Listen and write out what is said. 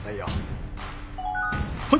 はい！